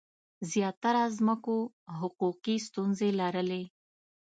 زیاتره ځمکو حقوقي ستونزي لرلي.